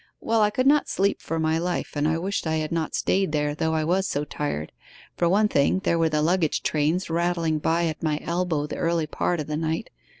Well, I could not sleep for my life, and I wished I had not stayed there, though I was so tired. For one thing, there were the luggage trains rattling by at my elbow the early part of the night.